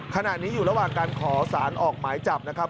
ขณะนี้อยู่ระหว่างการขอสารออกหมายจับนะครับ